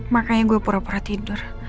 makanya gue pura pura tidur